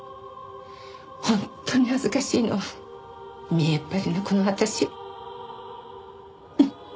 本当に恥ずかしいのは見えっ張りのこの私。